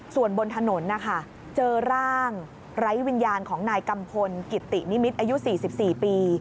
ส่วนบนถนนนะคะเจอร่างไร้วิญญาณของนายกัมพลกิตินิมิตรอายุ๔๔ปี